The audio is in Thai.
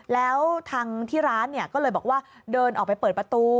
แล้วทางที่ร้านก็เลยบอกว่าเดินออกไปเปิดประตู